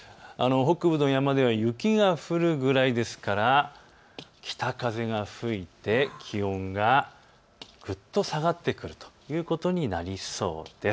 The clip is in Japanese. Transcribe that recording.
北部の山では雪が降るくらいですから北風が吹いて気温がぐっと下がってくるということになりそうです。